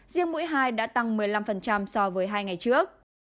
riêng mũi hai đã tăng một mươi năm so với hai ngày trước